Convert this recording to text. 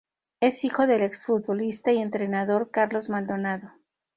Es hijo del ex-futbolista y entrenador Carlos Maldonado.